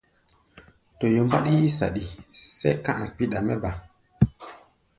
Toyo mbáɗí yí-saɗi, sɛ́ka a̧ kpiɗa mɛ́ ba.